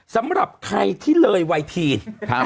สำหรับใครที่เลยไวทีน